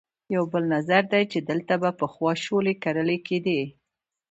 یو بل نظر دی چې دلته به پخوا شولې کرلې کېدې.